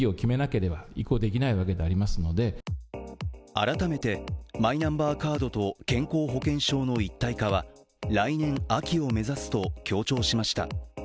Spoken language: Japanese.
改めてマイナンバーカードと健康保険証の一体化は来年秋を目指すと強調しました。